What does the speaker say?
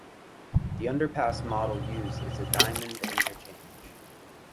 The underpass model used is a diamond interchange.